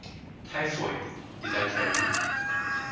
Typhoid -- did I tell you.